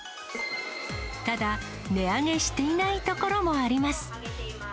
ただ、値上げしていない所もあります。